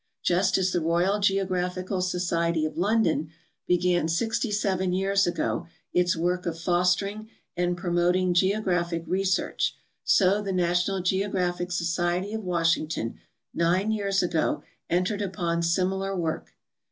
Just as the Royal Geographical Society of London begau sixt3' seven years ago its work of fostering and promoting geographic research, so the National Geographic So ciety of Washington nine years ago entered upon similar work.